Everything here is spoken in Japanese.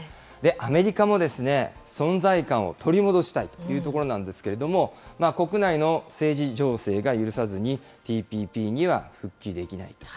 アメリカも、存在感を取り戻したいというところなんですけれども、国内の政治情勢が許さずに、ＴＰＰには復帰できないと。